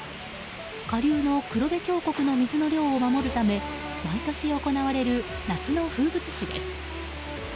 下流の黒部峡谷の水の量を守るため毎年行われる夏の風物詩です。